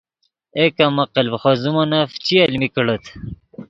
اے کم عقل ڤے خوئے زیمونف چی المی کڑیت